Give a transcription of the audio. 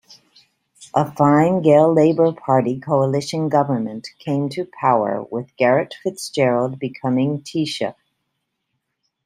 A Fine Gael-Labour Party coalition government came to power with Garret FitzGerald becoming Taoiseach.